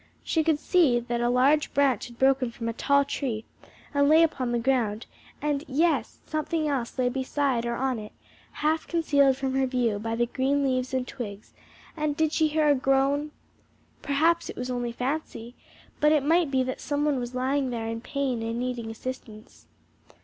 She could see that a large branch had broken from a tall tree, and lay upon the ground and yes, something else lay beside or on it, half concealed from her view by the green leaves and twigs; and did she hear a groan? Perhaps it was only fancy, but it might be that some one was lying there in pain and needing assistance.